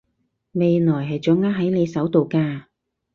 未來係掌握喺你手度㗎